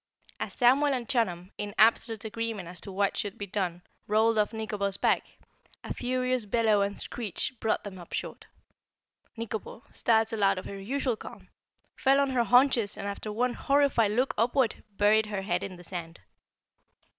As Samuel and Chunum, in absolute agreement as to what should be done, rolled off Nikobo's back, a furious bellow and screech brought them up short. Nikobo, startled out of her usual calm, fell back on her haunches and after one horrified look upward buried her head in the sand.